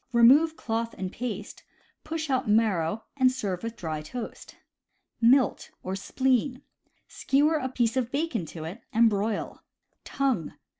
Remove cloth and paste, push out marrow, and serve with dry toast. Milt (Spleen). — Skewer a piece of bacon to it, and broil. Tongue.